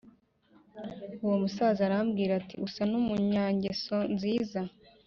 Uwo musaza arambwira ati Usa n’umunyangeso nziza